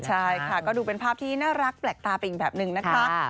ใช่ค่ะก็ดูเป็นภาพที่น่ารักแปลกตาไปอีกแบบหนึ่งนะคะ